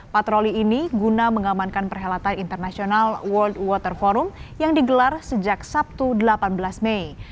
patroli ini guna mengamankan perhelatan internasional world water forum yang digelar sejak sabtu delapan belas mei